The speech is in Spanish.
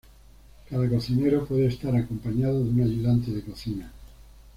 Cada cocinero puede estar acompañado de un ayudante de cocina.